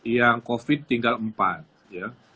yang covid tinggal empat ya